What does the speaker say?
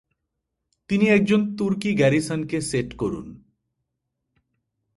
তিনি একজন তুর্কী গ্যারিসনকে সেট করুন।